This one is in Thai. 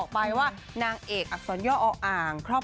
สวัสดีค่ะ